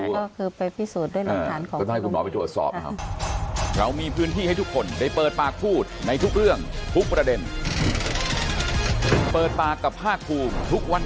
ก็คือไปพิสูจน์ด้วยหลังฐานของคุณหมอ